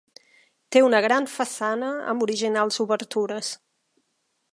Té una gran façana amb originals obertures.